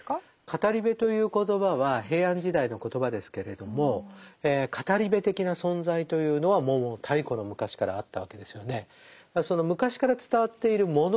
語部という言葉は平安時代の言葉ですけれども語部的な存在というのはもう太古の昔からあったわけですよね。